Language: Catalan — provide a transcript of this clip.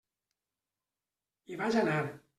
Hi vaig anar.